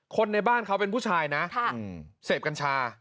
คนในบ้านเขาเป็นผู้ชายนะเสพกัญชา